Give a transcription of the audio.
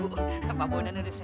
gerhana aku datang